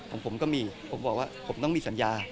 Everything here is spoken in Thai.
ของผมก็มีผมบอกว่าผมต้องมีสัญญา